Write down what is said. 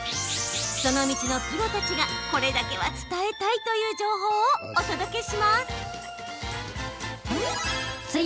その道のプロたちがこれだけは伝えたいという情報をお届けします。